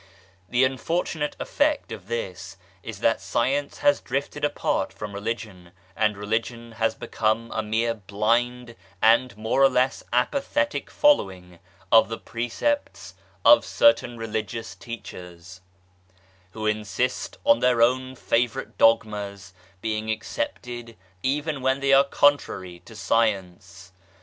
The unfortunate effect of this is that Science has drifted apart from Religion, and Religion has become a mere blind and more or less apathetic following of the precepts of certain Religious teachers, who insist on their own favourite dogmas being accepted even when they are contrary to Science.